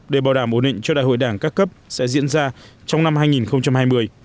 để bảo đảm ổn định cho đại hội đảng các cấp sẽ diễn ra trong năm hai nghìn hai mươi